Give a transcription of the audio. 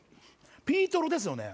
ピートロですよね？